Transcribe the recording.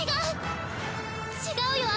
違う！